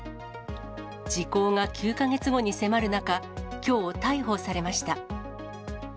時効が９か月後に迫る中、きょう、逮捕されました。